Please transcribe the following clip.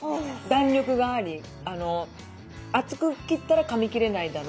弾力があり厚く切ったらかみきれないだろうな。